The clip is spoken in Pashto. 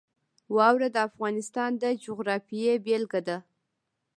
واوره د افغانستان د جغرافیې بېلګه ده.